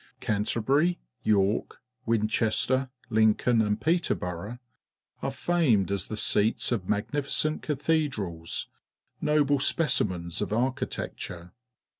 Canterbury, York, Winchester, Lincoln, and Peterborough are famed as the seats of magni ficent cathedrals, noble specimens of arclii tecture.